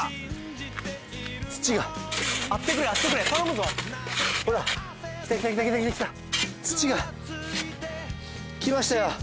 土があってくれあってくれ頼むぞほらきたきたきたきたきた土がきましたよ